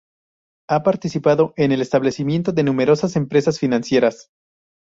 Ha participado en el establecimiento de numerosas empresas financieras.